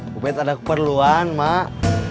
bu pet ada keperluan mak